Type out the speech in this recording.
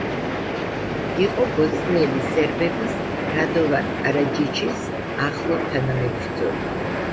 იყო ბოსნიელი სერბების რადოვან კარაჯიჩის ახლო თანამებრძოლი.